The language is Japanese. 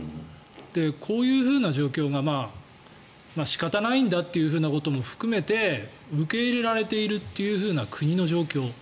こういうふうな状況が仕方ないんだというふうなことも含めて受け入れられているという国の状況